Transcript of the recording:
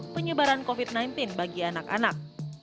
penyebaran covid sembilan belas bagi anak anak